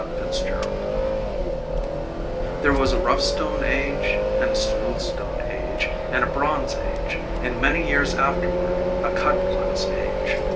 The Cut Glass Bowl There was a rough stone age and a smooth stone age and a bronze age, and many years afterward a cut glass age.